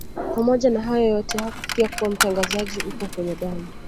Pamoja na hayo yote hakufikiria kuwa utangazaji upo kwenye damu